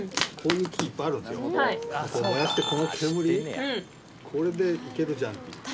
こう燃やしてこの煙これでいけるじゃんっていう。